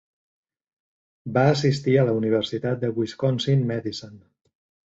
Va assistir a la Universitat de Wisconsin-Madison.